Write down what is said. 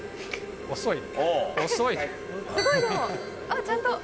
遅い。